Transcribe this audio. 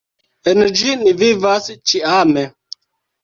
En ĝi ni vivas ĉiame.